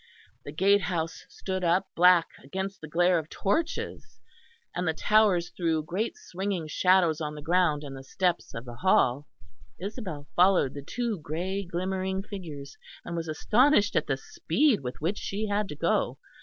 The gatehouse stood up black against the glare of torches, and the towers threw great swinging shadows on the ground and the steps of the Hall. Isabel followed the two grey glimmering figures, and was astonished at the speed with which she had to go.